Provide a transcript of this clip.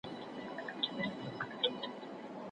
هیلې له کړکۍ څخه بهر سپینې واورې ته وکتل.